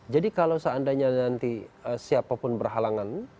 jadi kalau seandainya nanti siapapun berhalangan